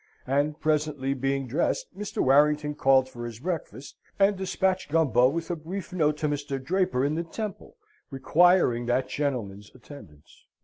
And presently, being dressed, Mr. Warrington called for his breakfast, and despatched Gumbo with a brief note to Mr. Draper in the Temple, requiring that gentleman's attendance.